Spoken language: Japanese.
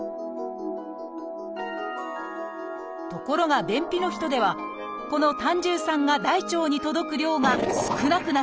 ところが便秘の人ではこの胆汁酸が大腸に届く量が少なくなっています。